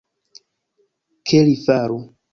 Ke li faru.